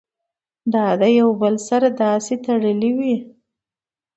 دا د يو بل سره داسې تړلي وي